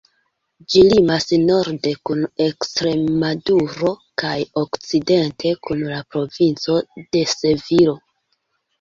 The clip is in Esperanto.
Ĝi limas norde kun Ekstremaduro kaj okcidente kun la provinco de Sevilo.